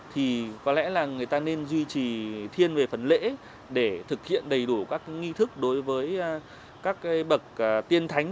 thì có lẽ là người ta nên duy trì thiên về phần lễ để thực hiện đầy đủ các nghi thức đối với các bậc tiên thánh